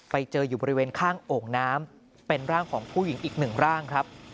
ไปเจออยู่บริเวณข้างโอ่งน้ำเป็นร่างของผู้หญิงอีกหนึ่งร่างครับ